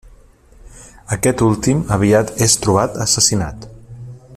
Aquest últim aviat és trobat assassinat.